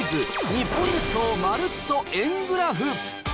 日本列島まるっと円グラフ。